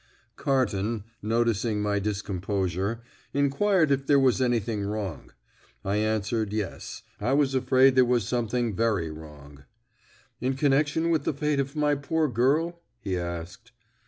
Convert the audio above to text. Carton, noticing my discomposure, inquired if there was anything wrong. I answered, yes; I was afraid there was something very wrong. "In connection with the fate of my poor girl?" he asked.